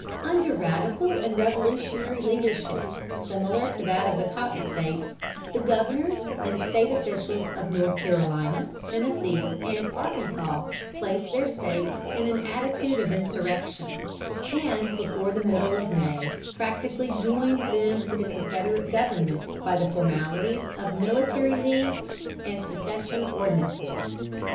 Under radical and revolutionary leadership similar to that of the cotton States, the governors and State officials of North Carolina, Tennessee, and Arkansas placed their States in an attitude of insurrection, and before the middle of May practically joined them to the Confederate government by the formalities of military leagues and secession ordinances.